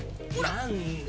なんで。